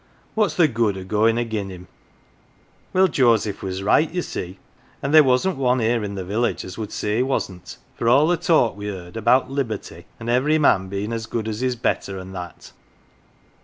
What's the good o' goin' agin him ?' "Well, Joseph was right, ye see, and there wasn't one here in the village as would say he wasn't, for all the talk we heard about Liberty, and every man being as good as his better, and that.